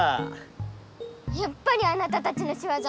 やっぱりあなたたちのしわざ？